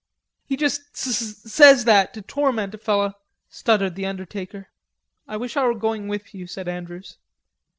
"He juss s s says that to torment a feller," stuttered the undertaker. "I wish I were going with you," said Andrews.